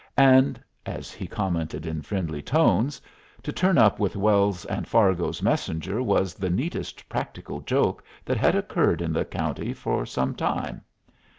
And as he commented in friendly tones to turn up with Wells and Fargo's messenger was the neatest practical joke that had occurred in the county for some time.